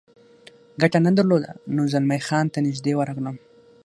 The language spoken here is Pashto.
ګټه نه درلوده، نو زلمی خان ته نږدې ورغلم.